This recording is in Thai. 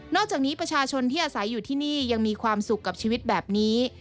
อกจากนี้ประชาชนที่อาศัยอยู่ที่นี่ยังมีความสุขกับชีวิตแบบนี้